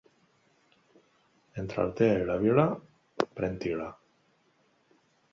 Entre Altea i la Vila, pren til·la.